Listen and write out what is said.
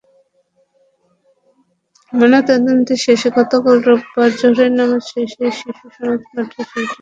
ময়নাতদন্ত শেষে গতকাল রোববার জোহরের নামাজ শেষে শিশুসদন মাঠে শিশুটির জানাজা অনুষ্ঠিত হয়।